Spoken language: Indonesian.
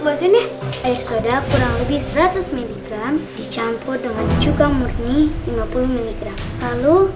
bantuin air soda kurang lebih seratus miligram dicampur dengan cuka murni lima puluh miligram lalu